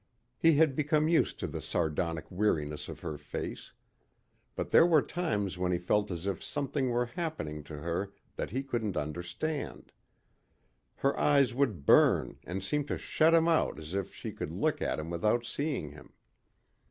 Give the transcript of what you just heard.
He had become used to the sardonic weariness of her face. But there were times when he felt as if something were happening to her that he couldn't understand. Her eyes would burn and seem to shut him out as if she could look at him without seeing him.